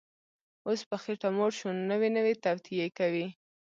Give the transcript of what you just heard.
اوس په خېټه موړ شو، نوې نوې توطیې کوي